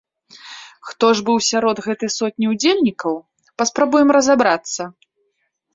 Хто ж быў сярод гэтай сотні ўдзельнікаў, паспрабуем разабрацца.